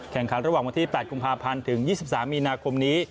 แข่งขันระหว่างวันที่แปดกุมภาพันธ์ถึงยี่สิบสามมีนาคมนี้